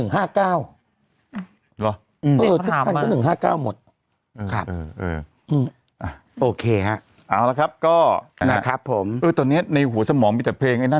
หรอ๑๕๙หมดโอเคนะครับก็นะครับผมตอนนี้ในหัวสมองมีแต่เพลงนะ